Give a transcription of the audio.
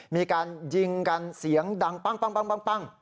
มีการยิงกันเสียงดังปั้ง